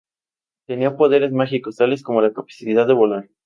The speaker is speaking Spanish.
Tenía poderes mágicos, tales como la capacidad de volar.